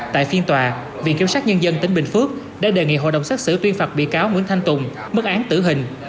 tại phiên tòa viện kiểm sát nhân dân tỉnh bình phước đã đề nghị hội đồng xét xử tuyên phạt bị cáo nguyễn thanh tùng mức án tử hình